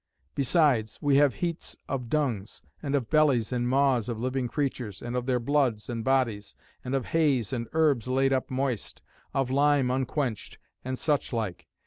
Besides, we have heats of dungs; and of bellies and maws of living creatures, and of their bloods and bodies; and of hays and herbs laid up moist; of lime unquenched; and such like.